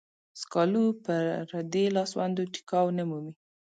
سکالو پردې لاسوندو ټيکاو نه مومي.